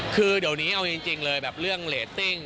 คือเดี๋ยวนี้เอาจริงเลยแบบเรื่องเรตติ้ง